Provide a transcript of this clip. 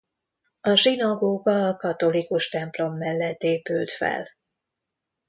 A zsinagóga a katolikus templom mellett épült fel.